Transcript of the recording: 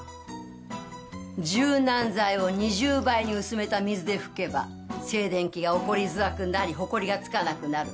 柔軟剤を２０倍に薄めた水で拭けば静電気が起こりづらくなりホコリがつかなくなる。